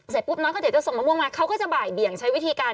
ปุ๊บน้องก็เดี๋ยวจะส่งมะม่วงมาเขาก็จะบ่ายเบี่ยงใช้วิธีการ